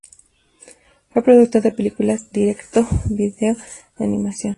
Fue productor de películas direct-to-video de animación.